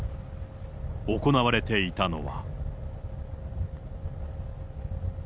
行われていたのは。